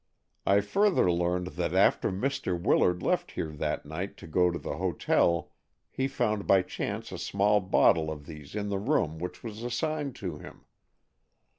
I further learned that after Mr. Willard left here that night to go to the hotel he found by chance a small bottle of these in the room which was assigned to him.